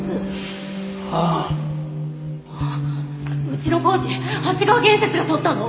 うちの工事長谷川建設がとったの？